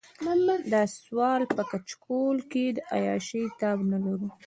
او د سوال په کچکول کې د عياشۍ تاب نه لرو.